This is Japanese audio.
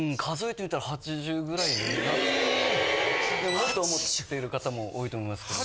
もっと持ってる方も多いと思いますけど。